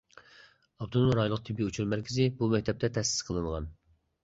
ئاپتونوم رايونلۇق تېببىي ئۇچۇر مەركىزى بۇ مەكتەپتە تەسىس قىلىنغان.